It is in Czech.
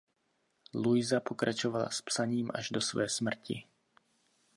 Louisa pokračovala s psaním až do své smrti.